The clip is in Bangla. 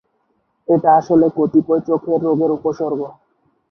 এটা আসলে কতিপয় চোখের রোগের উপসর্গ।